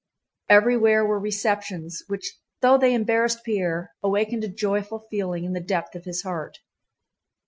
Everywhere were receptions, which though they embarrassed Pierre awakened a joyful feeling in the depth of his heart.